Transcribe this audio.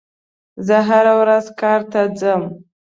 زه هره ورځ کار ته ځم.